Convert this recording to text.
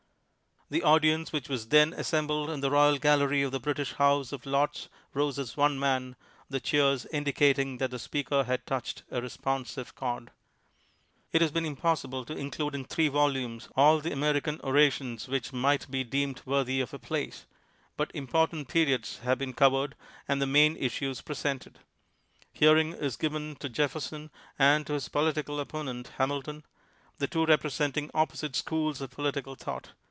The audience which was then assem bled in the Royal gallery of the British House of Lords rose as one man, the cheers indicating that the speaker had touched a resx)onsive chord. It has been ijiipossible to include in three volumes all tliC American orations which might be deemed worthy of a place, but important pe riods have ben covered, aiid the main issues INTRODUCTION presented. Hearing is given to Jefferson, and to his political opponent Hamilton, the tsvo repre senting opposite schools of political thought.